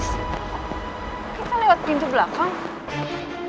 kita lewat pintu belakang